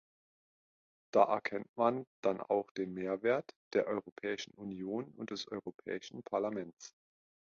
Da erkennt man dann auch den Mehrwert der Europäischen Union und des Europäischen Parlaments.